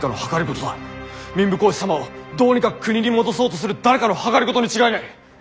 民部公子様をどうにか国に戻そうとする誰かの謀に違いない。